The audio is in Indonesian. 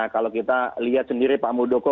kalau kita lihat sendiri pak muldoko